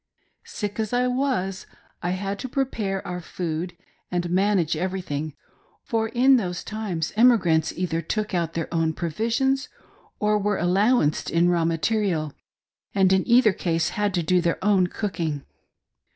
Sick as I was, I had to prepare our food, and manage every thing, for in those times emigrants either took out their own provisions or were allowanced in raw material, and in either case had to do their own cooking.